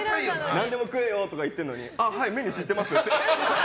何でも食えよとか言ってるのにはい、メニュー知ってますとか。